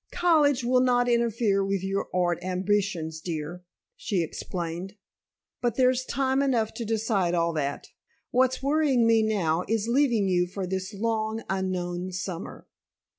"College will not interfere with your art ambitions, dear," she explained. "But there's time enough to decide all that. What's worrying me now, is leaving you for this long, unknown summer."